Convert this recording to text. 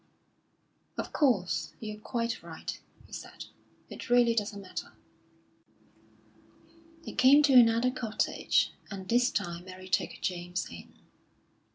"Of course, you're quite right," he said. "It really doesn't matter." They came to another cottage, and this time Mary took James in.